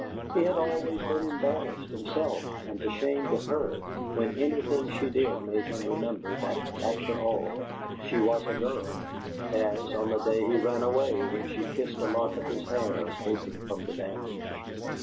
He had always been embarrassed, himself, and ashamed of her, when anything she did made him remember that, after all, she was a girl; as, on the day he ran away, when she kissed a lock of his hair escaping from the bandage.